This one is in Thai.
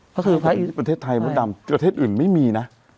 ก็คือประเทศไทยมดดำประเทศอื่นไม่มีนะ